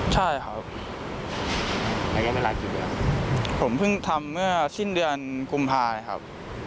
ใช่ครับผมเพิ่งทำเมื่อสิ้นเดือนกลุ่มภายครับ